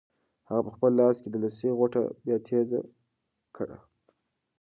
هغه په خپل لاس کې د لسي غوټه بیا تېزه کړه.